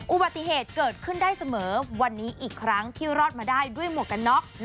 อุบัติเหตุเกิดขึ้นได้เสมอวันนี้อีกครั้งที่รอดมาได้ด้วยหมวกกันน็อก